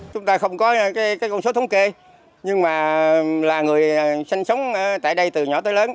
chúng ta không có con số thống kê nhưng mà là người sinh sống tại đây từ nhỏ tới lớn